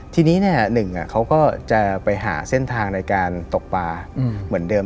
ทีนี้หนึ่งเขาก็จะไปหาเส้นทางในการตกปลาเหมือนเดิม